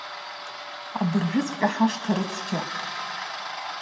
Абыржәыҵәҟьа ҳашҭа рыцқьа!